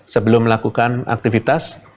sebelum melakukan aktivitas